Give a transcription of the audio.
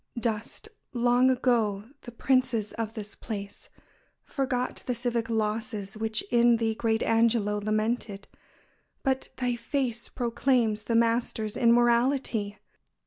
Dust, long ago, the princes of this place ; Forgot the civic losses which in thee Great Angelo lamented ; but thy face Proclaims the master's immortality!